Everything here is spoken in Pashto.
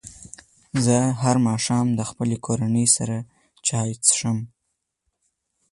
زه هر ماښام له خپلې کورنۍ سره چای څښم.